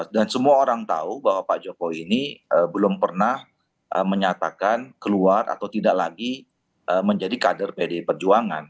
dan semua orang tahu bahwa pak jokowi ini belum pernah menyatakan keluar atau tidak lagi menjadi kader pd perjuangan